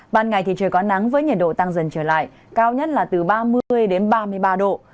ban ngày thì trời có nắng với nhiệt độ tăng dần trở lại cao nhất là từ ba mươi đến ba mươi ba độ